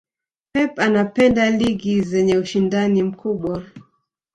pep anapenda ligi zenye ushindani mkubwa